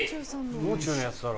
もう中のやつだろ。